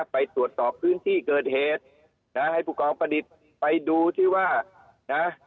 ไปตรวจสอบพื้นที่เกิดเหตุนะให้ผู้กองประดิษฐ์ไปดูที่ว่านะ